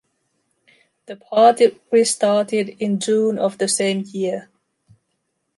The party restarted in June of the same year.